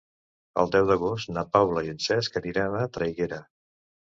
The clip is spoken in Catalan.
El deu d'agost na Paula i en Cesc aniran a Traiguera.